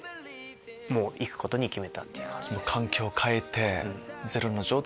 もう行くことに決めたっていう感じですね。